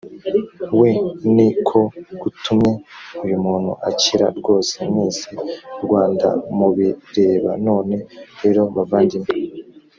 we ni ko gutumye uyu muntu akira rwose mwese rwandamubireba none rero bavandimwe